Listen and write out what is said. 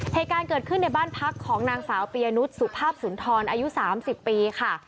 เหตุการณ์เกิดขึ้นในบ้านพักของนางสาวปียนุษย์สุภาพสุนทรอายุ๓๐ปีค่ะ